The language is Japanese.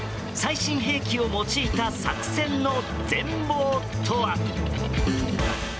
最新兵器を用いた作戦の全貌とは。